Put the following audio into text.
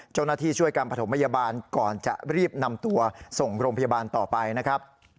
เจ้าหน้าที่ช่วยการประถมพยาบาลก่อนจะรีบนำตัวส่งโรงพยาบาลต่อไปนะครับ